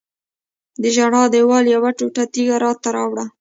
د ژړا دیوال یوه ټوټه تیږه راته راوړه.